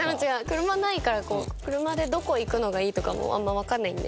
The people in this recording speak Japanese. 車ないからこう車でどこ行くのがいいとかもあんまわかんないんで。